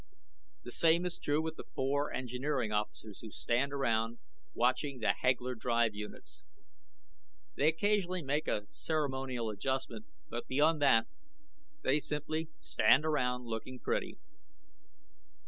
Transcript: The same is true with the four engineering officers who stand around watching the Hegler drive units. They occasionally make a ceremonial adjustment, but beyond that, they simply stand around looking pretty."